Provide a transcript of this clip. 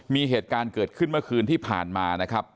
มีเหตุการณ์เกิดขึ้นเมื่อคืนที่ผ่านมานะครับ